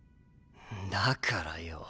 だからよぉ